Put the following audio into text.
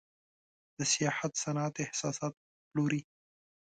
د سیاحت صنعت احساسات پلوري.